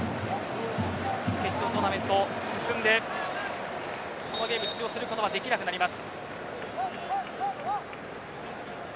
決勝トーナメント進んで次のゲームに出場することはできなくなります。